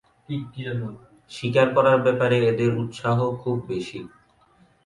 শিকার করার ব্যাপারে এদের উৎসাহ খুব বেশি।